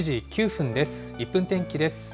１分天気です。